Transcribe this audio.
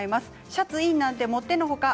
シャツインなんてもってのほか。